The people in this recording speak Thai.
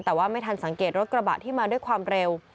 แต่ว่าไม่ทันสังเกตรถกระบะที่มาด้วยความเร็ว